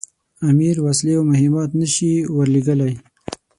امیر وسلې او مهمات نه سي ورلېږلای.